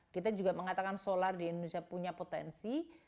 kita juga mengatakan solar di indonesia punya potensi